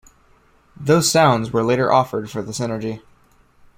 Those sounds were later offered for the Synergy.